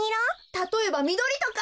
たとえばみどりとか。